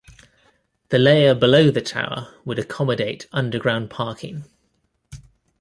The layer below the tower would accommodate underground parking.